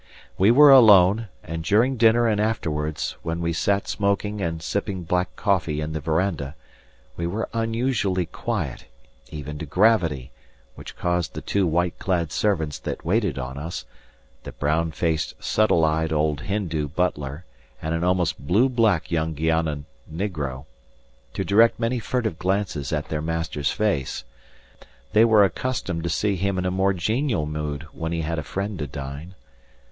We were alone, and during dinner and afterwards, when we sat smoking and sipping black coffee in the veranda, we were unusually quiet, even to gravity, which caused the two white clad servants that waited on us the brown faced subtle eyed old Hindu butler and an almost blue black young Guiana Negro to direct many furtive glances at their master's face. They were accustomed to see him in a more genial mood when he had a friend to dine.